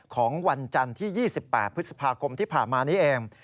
ของวันจันทร์ที่๒๘พฤษภาคมที่ผ่านมานี้เอง